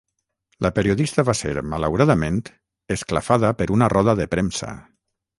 La periodista va ser, malauradament, esclafada per una roda de premsa.